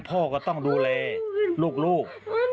พ่อก็ต้องดูแลลูก